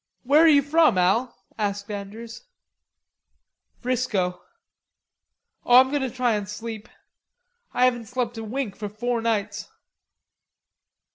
"Where are you from, Al?" asked Andrews. "'Frisco. Oh, I'm goin' to try to sleep. I haven't slept a wink for four nights."